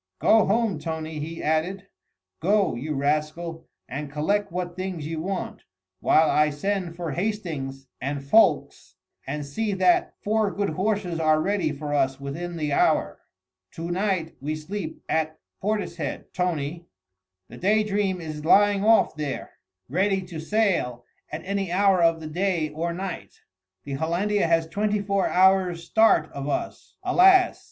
"Go home, Tony!" he added, "go, you rascal, and collect what things you want, while I send for Hastings and Ffoulkes, and see that four good horses are ready for us within the hour. To night we sleep at Portishead, Tony. The Day Dream is lying off there, ready to sail at any hour of the day or night. The Hollandia has twenty four hours' start of us, alas!